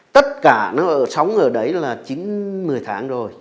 tất cả nó sống ở đấy là chín một mươi tháng rồi